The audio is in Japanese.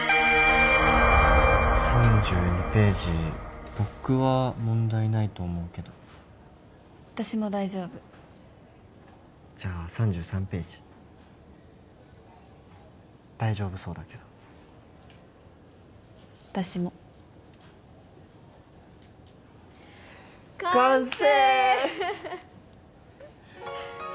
３２ページ僕は問題ないと思うけど私も大丈夫じゃあ３３ページ大丈夫そうだけど私も完成！